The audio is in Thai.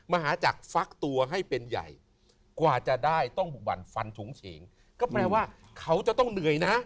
มหาจักรฟักตัวให้เป็นใหญ่กว่าจะได้ต้องบุกบันฟันถุงเฉงก็แปลว่าเขาจะต้องเหนื่อยนะ